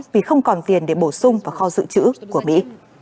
vì không còn tiền để bổ sung vào kho dự trữ của mỹ